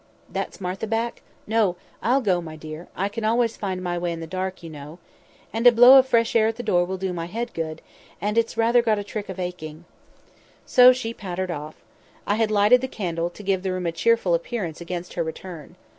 "That's Martha back? No! I'll go, my dear; I can always find my way in the dark, you know. And a blow of fresh air at the door will do my head good, and it's rather got a trick of aching." So she pattered off. I had lighted the candle, to give the room a cheerful appearance against her return.